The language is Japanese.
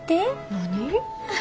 何？